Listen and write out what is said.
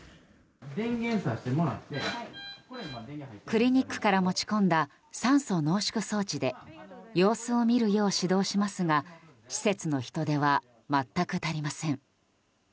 クリニックから持ち込んだ酸素濃縮装置で様子を見るよう指導しますが施設の人手は全く足りません。